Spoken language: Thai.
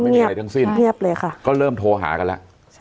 ไม่มีอะไรทั้งสิ้นเรียบเลยค่ะก็เริ่มโทรหากันแล้ว